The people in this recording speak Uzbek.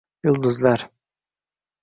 Yulduzlar.